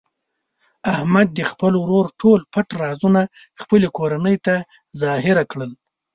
احمد د خپل ورور ټول پټ رازونه خپلې کورنۍ ته ظاهره کړل.